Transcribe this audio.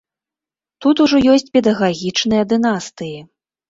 Тут ужо ёсць педагагічныя дынастыі.